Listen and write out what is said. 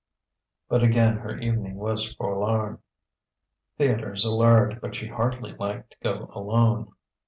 But again her evening was forlorn. Theatres allured, but she hardly liked to go alone.